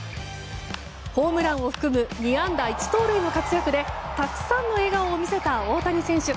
ホームランを含む２安打１盗塁の活躍でたくさんの笑顔を見せた大谷選手。